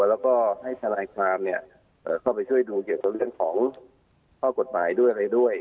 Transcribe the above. แล้วก็ให้ทนายความเข้าไปช่วยดูเกี่ยวกับเรื่องของข้อกฎหมายด้วยอะไรด้วย